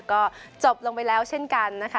ก็จบลงไปแล้วเช่นกันนะคะ